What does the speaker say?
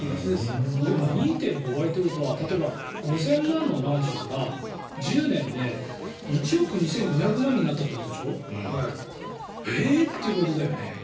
でも２．５倍ということは５０００万円のマンションが１０年で１億２５００万円になったってことでしょ？ということですよね。